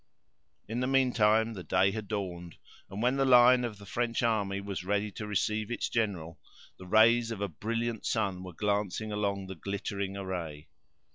In the meantime the day had dawned, and when the line of the French army was ready to receive its general, the rays of a brilliant sun were glancing along the glittering array.